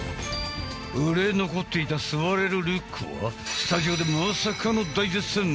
売れ残っていた座れるリュックはスタジオでまさかの大絶賛！